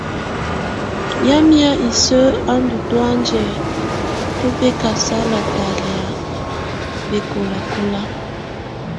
Yamɛ̀á isǝ́ á ndù tɔ̀ánjɛ tu bɛkasala talɛ̀́á bɛkɔlakɔla.